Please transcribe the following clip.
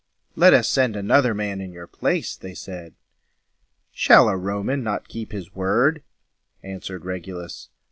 "Let us send another man in your place," they said. "Shall a Roman not keep his word?" answered Regulus.